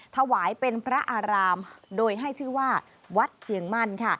ถวายเป็นพระอารามโดยให้ชื่อว่าวัดเชียงมั่นค่ะ